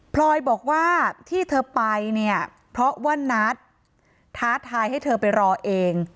พลอยบอกว่าที่เธอไปเนี่ยเพราะว่านัทท้าทายให้เธอไปรอเอง